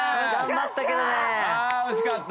ああ惜しかった。